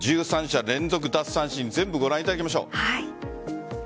１３者連続奪三振全部ご覧いただきましょう。